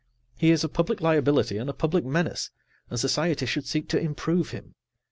He is a public liability and a public menace, and society should seek to improve him.